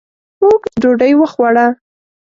موږ ډوډۍ وخوړه.